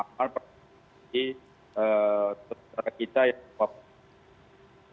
pada pasien pasien terhadap kita yang terpaksa